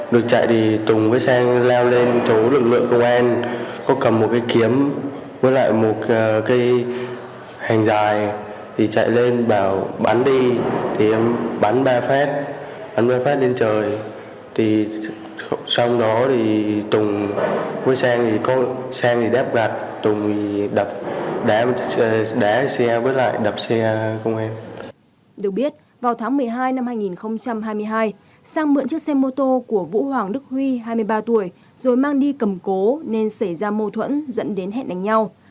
được biết vào tháng một mươi hai năm hai nghìn hai mươi hai sang mượn chiếc xe mô tô của vũ hoàng đức huy hai mươi ba tuổi rồi mang đi cầm cố nên xảy ra mâu thuẫn dẫn đến hẹn đánh nhau